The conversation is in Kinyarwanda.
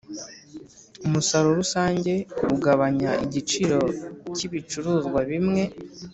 umusaruro rusange ugabanya igiciro cyibicuruzwa bimwe.